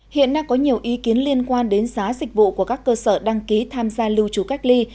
hiện nay có nhiều ý kiến liên quan đến giá dịch vụ của các cơ sở đăng ký tham gia lưu trú cách ly